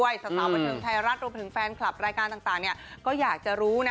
สาสาวประถึงไทยรัฐรวมประถึงแฟนคลับรายการต่างเนี่ยก็อยากจะรู้นะ